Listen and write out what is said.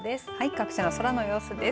各地の空の様子です。